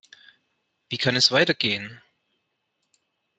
Wie kann es weitergehen?